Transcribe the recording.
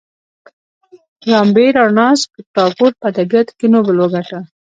رابیندرانات ټاګور په ادبیاتو کې نوبل وګاټه.